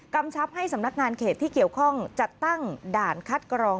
กำชับให้สำนักงานเขตที่เกี่ยวข้องจัดตั้งด่านคัดกรอง